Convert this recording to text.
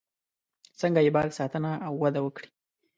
څنګه یې باید ساتنه او وده وکړي.